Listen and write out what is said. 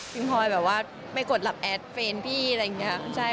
พิงพลอยแบบว่าไม่กดลับแอดเฟนพี่อะไรอย่างเงี้ยใช่